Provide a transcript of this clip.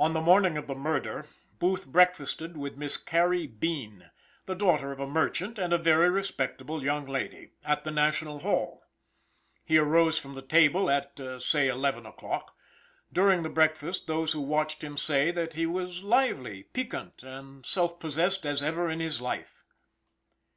On the morning of the murder, Booth breakfasted with Miss Carrie Bean, the daughter of a merchant, and a very respectable young lady, at the National Hall. He arose from the table at, say eleven o'clock. During the breakfast, those who watched him say that he was lively, piquant and self possessed as ever in his life.